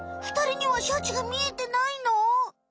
ふたりにはシャチが見えてないの？